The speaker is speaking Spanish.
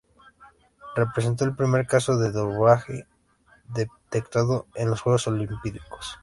Representó el primer caso de dopaje detectado en esos Juegos Olímpicos.